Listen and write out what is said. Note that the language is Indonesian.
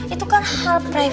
itu kan hal pribadi